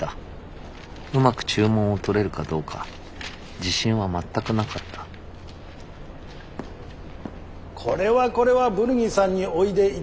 うまく注文を取れるかどうか自信は全くなかったこれはこれはブルギさんにおいでいただけたとは！